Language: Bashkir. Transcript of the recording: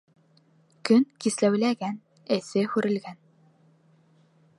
Көн кисәүләгән, эҫе һүрелгән.